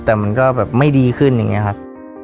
แต่มันก็แบบไม่ดีขึ้นอย่างนี้ครับ